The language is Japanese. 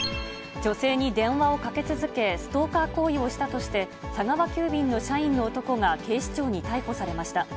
女性に電話をかけ続け、ストーカー行為をしたとして、佐川急便の社員の男が警視庁に逮捕されました。